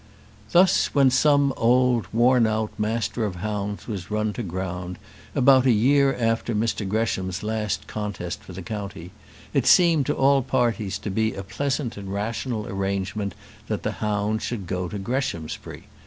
Thus, when some old worn out master of hounds was run to ground, about a year after Mr Gresham's last contest for the county, it seemed to all parties to be a pleasant and rational arrangement that the hounds should go to Greshamsbury.